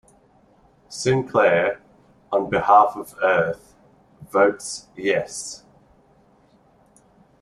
Sinclair, on behalf of Earth, votes "Yes".